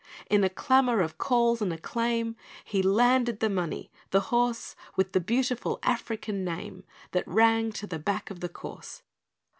In a clamour of calls and acclaim, He landed the money the horse With the beautiful African name, That rang to the back of the course.